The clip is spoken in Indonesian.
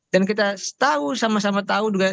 dan kita tahu sama sama tahu juga